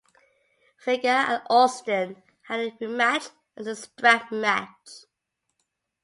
Vega and Austin had a rematch at in a strap match.